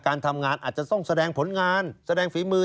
การทำงานอาจจะต้องแสดงผลงานแสดงฝีมือ